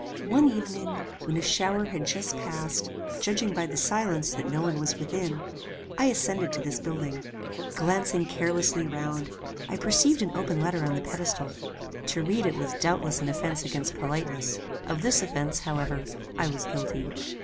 One evening, when a shower had just passed, judging by the silence that no one was within, I ascended to this building. Glancing carelessly round, I perceived an open letter on the pedestal. To read it was doubtless an offence against politeness. Of this offence, however, I was guilty.